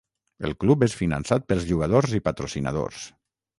El club és finançat pels jugadors i patrocinadors.